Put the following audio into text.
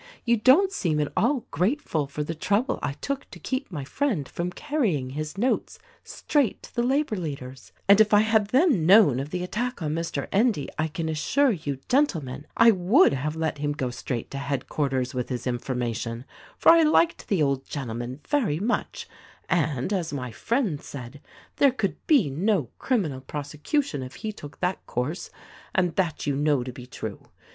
You don't seem at all grate ful for the trouble I took to keep my friend from carrying his notes straight to the labor leaders ; and if I had then known of the attack on Mr. Endy I can assure you, gentle men, I would have let him go straight to headquarters with his information ; for I liked the old gentleman very much, THE RECORDING ANGEL 165 and, as my friend said, there could be no criminal prosecu tion if he took that course— and that you know to be true.